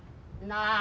なあ。